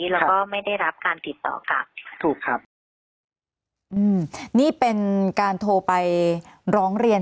แล้วก็ไม่ได้รับการติดต่อกลับถูกครับอืมนี่เป็นการโทรไปร้องเรียน